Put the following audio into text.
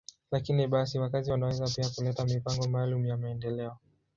Lakini basi, wakazi wanaweza pia kuleta mipango maalum ya maendeleo.